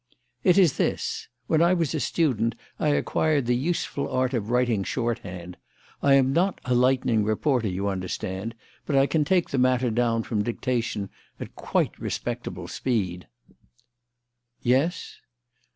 "It is this: When I was a student I acquired the useful art of writing shorthand. I am not a lightning reporter, you understand, but I can take matter down from dictation at quite respectable speed." "Yes."